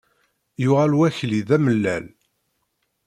Yuɣal wakli d amellal.